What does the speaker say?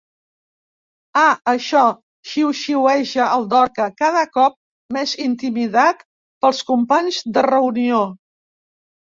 Ah, això —xiuxiueja el Dorca, cada cop més intimidat pels companys de reunió—.